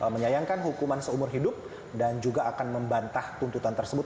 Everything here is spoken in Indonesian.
menyayangkan hukuman seumur hidup dan juga akan membantah tuntutan tersebut